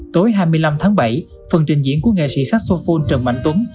tối hai mươi năm tháng bảy phần trình diễn của nghệ sĩ saxophone trần mạnh tuấn